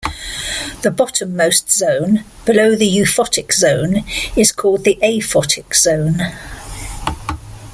The bottommost zone, below the euphotic zone, is called the aphotic zone.